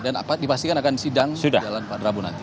dan dipastikan akan sidang di dalam pak drabo nanti